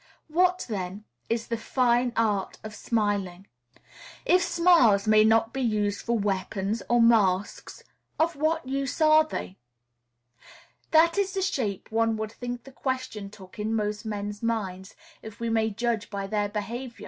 What, then, is the fine art of smiling? If smiles may not be used for weapons or masks, of what use are they? That is the shape one would think the question took in most men's minds, if we may judge by their behavior!